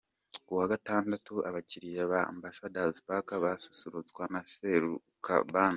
Ku wa Gatandatu: Abakiliya ba Ambassador's Park basusurutswa na Seruka band.